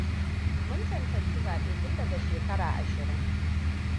Mun cancanci zaɓe tun daga shekaru ashirin.